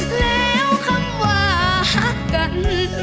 แล้วคำว่าฮักกัน